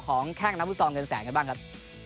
ข้างน้ำสองเกินแสงกันบ้างครับ